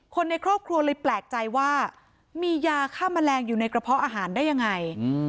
คนในครอบครัวเลยแปลกใจว่ามียาฆ่าแมลงอยู่ในกระเพาะอาหารได้ยังไง